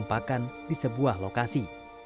yang lebih hidayah dukung pakan di sebuah lokasi